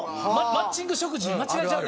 マッチング食事で間違えちゃう。